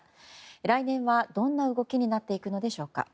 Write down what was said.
来年はどんな動きになっていくのでしょうか。